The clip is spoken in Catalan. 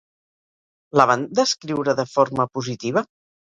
La van descriure de forma positiva?